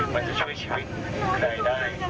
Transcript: มันจะช่วยชีวิตใครได้